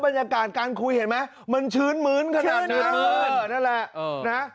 บรรยากาศการคุยเห็นมั้ยมันชื้นมื้นขนาดนั้น